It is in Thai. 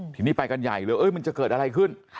ทีนี้ไปกันใหญ่เลยมันจะเกิดอะไรขึ้น